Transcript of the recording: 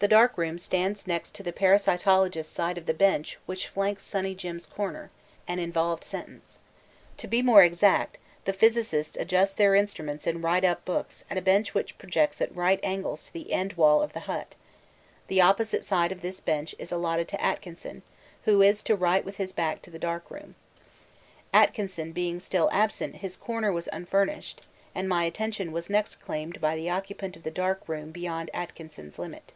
The dark room stands next to the parasitologist's side of the bench which flanks Sunny Jim's Corner an involved sentence. To be more exact, the physicists adjust their instruments and write up books at a bench which projects at right angles to the end wall of the hut; the opposite side of this bench is allotted to Atkinson, who is to write with his back to the dark room. Atkinson being still absent his corner was unfurnished, and my attention was next claimed by the occupant of the dark room beyond Atkinson's limit.